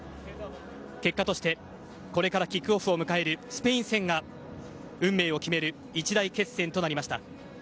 結果としてこれからキックオフを迎えるスペイン戦が運命を決める一大決戦となりました。